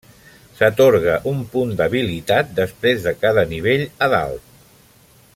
S'atorga un punt d'habilitat després de cada nivell a dalt.